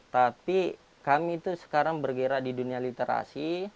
tapi kami itu sekarang bergerak di dunia literasi